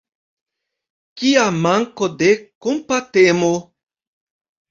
Kia manko de kompatemo!